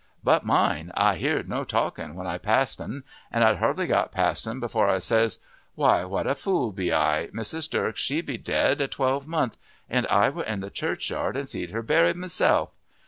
But mind, I hear'd no talking when I passed 'n. An' I'd hardly got past 'n before I says, Why, what a fool be I! Mrs. Durk she be dead a twelvemonth, an' I were in the churchyard and see'd her buried myself.